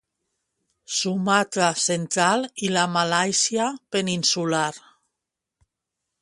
Sumatra central i la Malàisia peninsular.